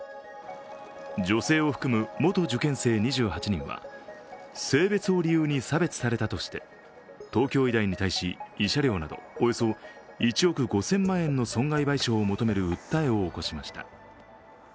女性を含む元受験生２８人は性別を理由に差別されたとして、東京医大に対して慰謝料などおよそ１億５０００万円の損害賠償を求める訴えを起こしました。